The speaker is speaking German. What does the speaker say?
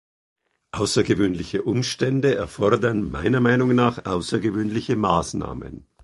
Außergewöhnliche Umstände erfordern meiner Meinung nach außergewöhnliche Maßnahmen.